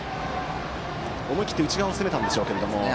思い切って内側を攻めたんでしょうけれども。